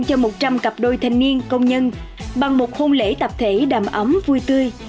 cho một trăm linh cặp đôi thành niên công nhân bằng một hôn lễ tạp thể đàm ấm vui tươi